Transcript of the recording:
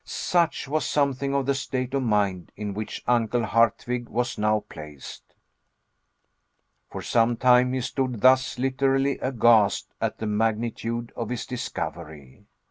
Such was something of the state of mind in which Uncle Hardwigg was now placed. For some time he stood thus, literally aghast at the magnitude of his discovery.